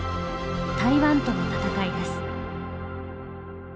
台湾との戦いです。